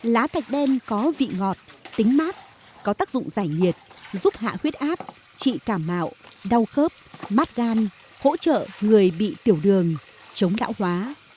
lá thạch đen có vị ngọt tính mát có tác dụng giải nhiệt giúp hạ huyết áp trị cảm mạo đau khớp mắt gan hỗ trợ người bị tiểu đường chống lão hóa